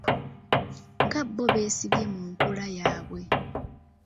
Nga bo beesibye mu nkula yaabwe.